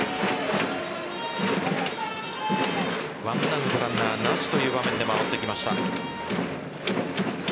１アウトランナーなしという場面で回ってきました。